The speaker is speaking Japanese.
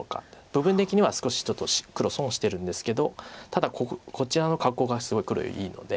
部分的には少しちょっと黒損してるんですけどただこちらの格好がすごい黒いいので。